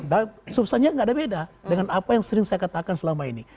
nah substansinya nggak ada beda dengan apa yang sering saya katakan selama ini